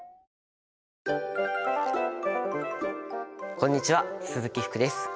こんにちは鈴木福です。